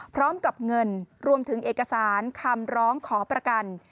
พร้อมกับเงินรวมถึงเอกสารคำร้องขอประกัน